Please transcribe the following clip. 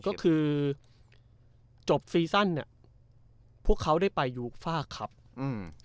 ก็คือจบซีซั่นเนี้ยพวกเขาได้ไปยูฟ่าครับอืม